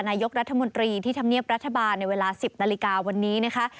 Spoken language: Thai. นายกรัฐมนตรีที่ทำเนียบรัฐบาลในเวลา๑๐นาฬิกาวันนี้นะคะ